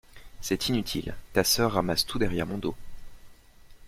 C'est inutile, ta soeur ramasse tout derrière mon dos.